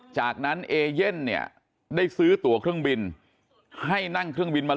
จากนั้นเอเย่นเนี่ยได้ซื้อตัวเครื่องบินให้นั่งเครื่องบินมา